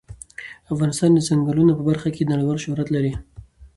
افغانستان د ځنګلونه په برخه کې نړیوال شهرت لري.